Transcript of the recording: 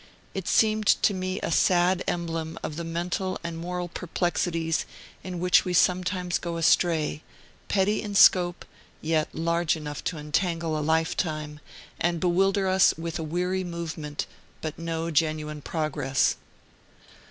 It seemed to me a sad emblem of the mental and moral perplexities in which we sometimes go astray, petty in scope, yet large enough to entangle a lifetime, and bewilder us with a weary movement, but no genuine progress.